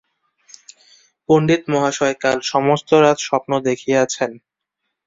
পণ্ডিতমহাশয় কাল সমস্ত রাত স্বপ্ন দেখিয়াছেন।